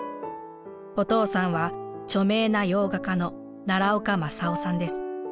お父さんは著名な洋画家の奈良岡正夫さんです。